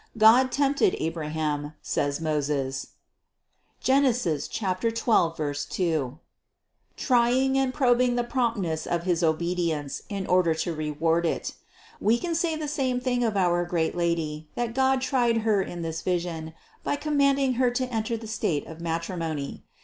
God tempted Abraham, says Moses (Gen. 12, 2), trying and probing the promptness of his obedience in order to reward it. We can say the same thing of our great Lady, that God tried Her in this vision, by commanding Her to enter the state of matrimony.